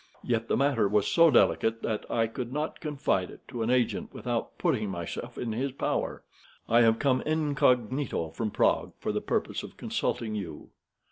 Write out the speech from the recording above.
Yet the matter was so delicate that I could not confide it to an agent without putting myself in his power. I have come incognito from Prague for the purpose of consulting you."